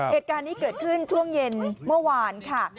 เหตุการณ์นี้เกิดขึ้นช่วงเย็นเมื่อวานค่ะ